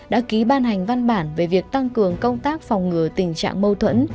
đã ký ban hành văn bản về việc tăng cường công tác phòng ngừa tình trạng mâu thuẫn